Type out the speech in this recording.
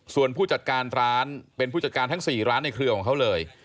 ส่วนผู้จัดการร้านเป็นผู้จัดการทั้ง๔ร้านในเครือของเขาเลย